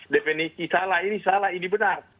definisi salah ini salah ini benar